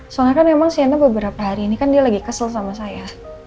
soalnya kan memang siana beberapa hari ini kan dia lagi kesel sama saya